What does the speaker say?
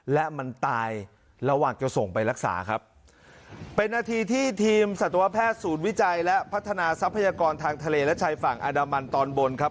และมันตายระหว่างจะส่งไปรักษาครับเป็นนาทีที่ทีมสัตวแพทย์ศูนย์วิจัยและพัฒนาทรัพยากรทางทะเลและชายฝั่งอันดามันตอนบนครับ